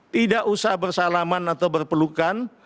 tidak usah bersalaman atau berpelukan